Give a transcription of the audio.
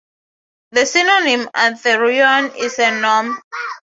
The synonym "Anthereon" is a "nom.